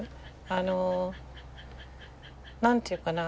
あの何て言うかな。